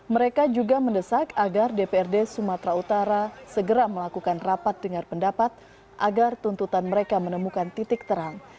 mereka juga mendesak agar dprd sumatera utara segera melakukan rapat dengar pendapat agar tuntutan mereka menemukan titik terang